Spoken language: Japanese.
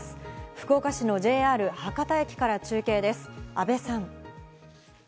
福岡市のＪＲ博多駅から中継です、阿部さん。